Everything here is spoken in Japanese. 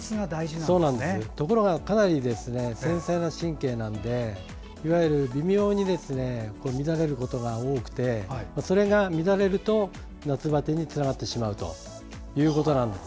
ところがかなり繊細な神経なので微妙に乱れることが多くてそれが乱れると夏バテにつながってしまうと。